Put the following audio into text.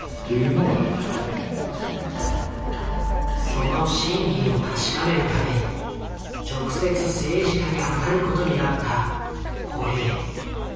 その真偽を確かめるため直接政治家に当たることになった堀江。